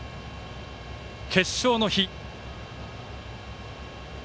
決勝の日。